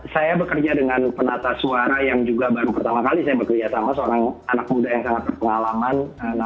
saya bekerja dengan penata suara yang juga baru pertama kali saya bekerja sama seorang anak muda yang sangat berpengalaman